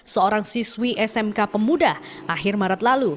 seorang siswi smk pemuda akhir maret lalu